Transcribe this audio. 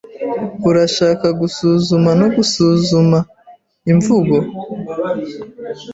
Urashaka gusuzuma no gusuzuma imvugo